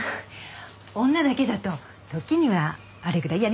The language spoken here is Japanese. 女だけだと時にはあれぐらいやりますよ。